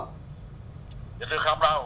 thì tôi không đâu